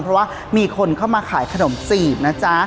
เพราะว่ามีคนเข้ามาขายขนมจีบนะจ๊ะ